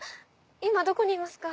今どこにいますか？